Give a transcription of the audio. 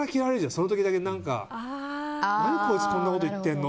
そういう時だけ何こいつこんなこと言ってんの？